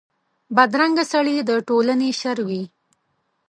بدرنګه سړي د ټولنې شر وي